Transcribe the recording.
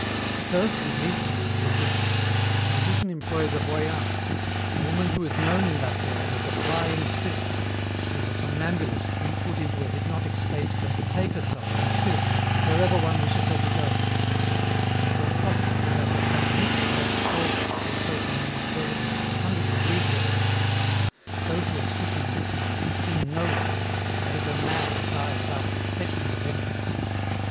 The first and least used is this: the magician employs a voyant, a woman who is known in that world as 'a flying spirit'; she is a somnambulist, who, put into a hypnotic state, can betake herself, in spirit, wherever one wishes her to go. It is then possible to have her transmit the magic poisons to a person whom one designates, hundreds of leagues away. Those who are stricken in this manner have seen no one, and they go mad or die without suspecting the venefice.